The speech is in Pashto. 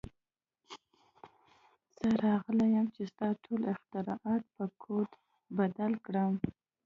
زه راغلی یم چې ستا ټول اختراعات په کوډ بدل کړم